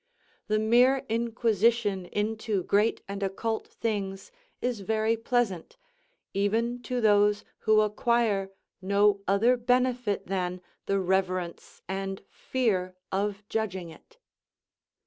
The mere inquisition into great and occult things is very pleasant, even to those who acquire no other benefit than the reverence and fear of judging it."